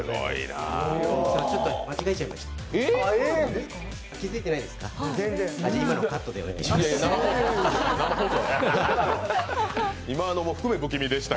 ちょっと間違えちゃいました。